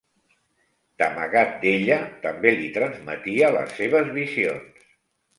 D'amagat d'ella, també li transmetia les seves visions.